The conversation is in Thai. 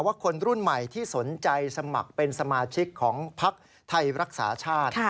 คนรุ่นใหม่ที่สนใจสมัครเป็นสมาชิกของพักไทยรักษาชาติ